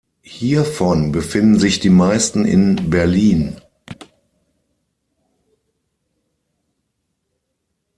Hiervon befinden sich die meisten in Berlin.